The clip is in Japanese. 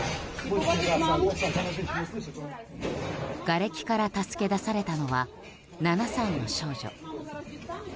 がれきから助け出されたのは７歳の少女。